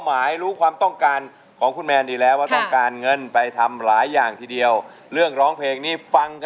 เอาล่ะค่ะคุณป๊าเพื่อไม่เป็นการเสียเวลาค่ะ